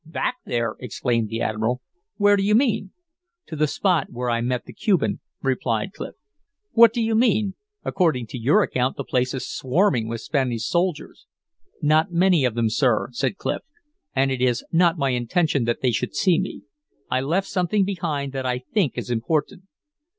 "Back there!" exclaimed the admiral. "Where do you mean?" "To the spot where I met the Cuban," replied Clif. "What do you mean? According to your account the place is swarming with Spanish soldiers." "Not many of them, sir," said Clif. "And it is not my intention that they should see me. I left something behind that I think is important."